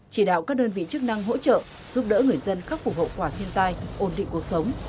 chỉ đạo các đơn vị chức năng hỗ trợ giúp đỡ người dân khắc phục hậu quả thiên tai ổn định cuộc sống